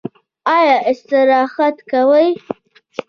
ایا استراحت کوئ؟